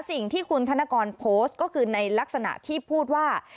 สิ่งที่คุณธนกรโพสต์ก็คือในลักษณะที่พูดว่า